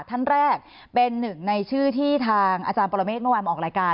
ท่านแรกเป็นหนึ่งในชื่อที่ทางอาจารย์ปรเมฆเมื่อวานมาออกรายการ